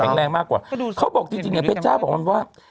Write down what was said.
แข็งแรงมากกว่าเขาบอกจริงเนี่ยพระเจ้าบอกมันว่า